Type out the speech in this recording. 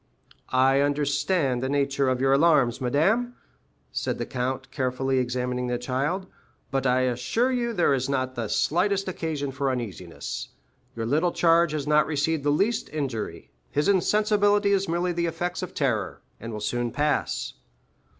"I understand the nature of your alarms, madame," said the count, carefully examining the child, "but I assure you there is not the slightest occasion for uneasiness; your little charge has not received the least injury; his insensibility is merely the effects of terror, and will soon pass."